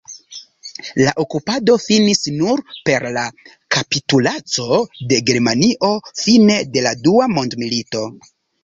La okupado finis nur per la kapitulaco de Germanio fine de la Dua Mondmilito.